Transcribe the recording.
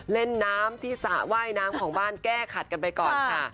เล่นน้ำที่สระว่ายน้ำของบ้านแก้ขัดกันไปก่อนค่ะ